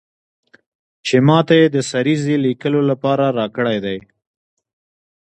چې ماته یې د سریزې لیکلو لپاره راکړی دی.